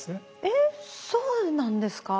えっそうなんですか？